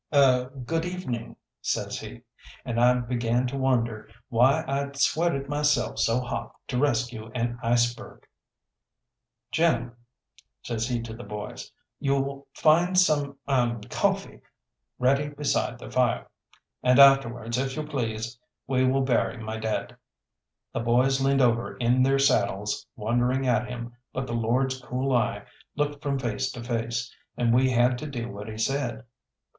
"Er good evening," says he, and I began to wonder why I'd sweated myself so hot to rescue an iceberg. "Gentlemen," says he to the boys, "you find some er coffee ready beside the fire, and afterwards, if you please, we will bury my dead." The boys leaned over in their saddles, wondering at him, but the lord's cool eye looked from face to face, and we had to do what he said.